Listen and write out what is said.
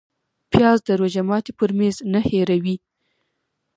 پیاز د روژه ماتي پر میز نه هېروې